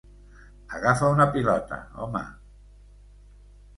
Agafa una pilota, home.